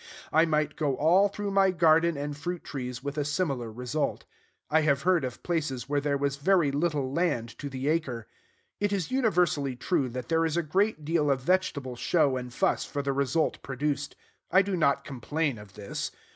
I might go all through my garden and fruit trees with a similar result. I have heard of places where there was very little land to the acre. It is universally true that there is a great deal of vegetable show and fuss for the result produced. I do not complain of this.